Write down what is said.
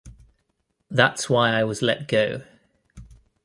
That's why I was let go.